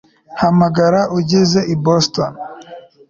Hamagara ugeze i Boston